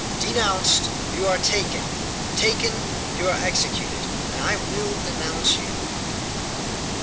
Denounced, you are taken; taken, you are executed. And I will denounce you."